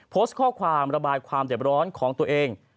โพสต์ข้อความระบายความเจ็บร้อนของตัวเอง